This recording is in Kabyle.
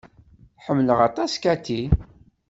Ḥemmleɣ aṭas Cathy.